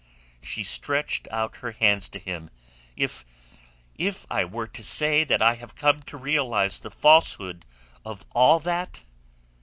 She stretched out her hands to him. "If... if I were to say that I have come to realize the falsehood of all that?"